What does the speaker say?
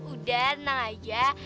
udah tenang aja